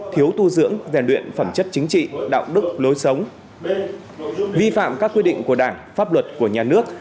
thiếu tu dưỡng rèn luyện phẩm chất chính trị đạo đức lối sống vi phạm các quy định của đảng pháp luật của nhà nước